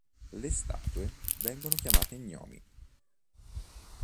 Le statue vengono chiamate gnomi.